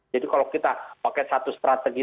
jadi kalau kita pakai satu strategi